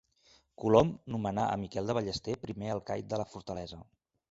Colom nomenar a Miquel de Ballester primer alcaid de la fortalesa.